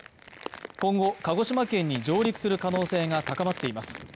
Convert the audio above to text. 今後、鹿児島県に上陸する可能性が高まっています。